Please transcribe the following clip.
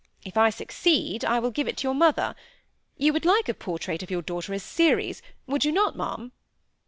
If I succeed I will give it to your mother. You would like a portrait of your daughter as Ceres, would you not, ma'am?"